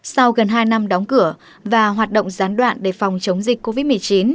sau gần hai năm đóng cửa và hoạt động gián đoạn để phòng chống dịch covid một mươi chín